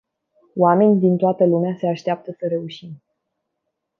Oameni din toată lumea se așteaptă să reușim.